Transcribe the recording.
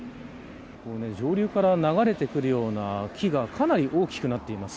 上流から流れてくるような木がかなり大きくなっています。